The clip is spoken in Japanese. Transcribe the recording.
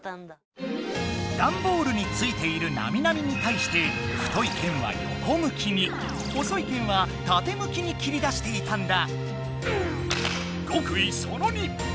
ダンボールについているなみなみにたいして太い剣はよこ向きに細い剣はたて向きに切り出していたんだ。